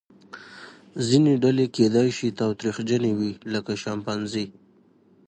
ځینې ډلې کیدای شي تاوتریخجنې وي لکه شامپانزې.